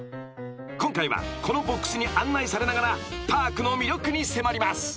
［今回はこのＢＯＸに案内されながらパークの魅力に迫ります］